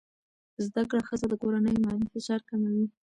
زده کړه ښځه د کورنۍ مالي فشار کموي.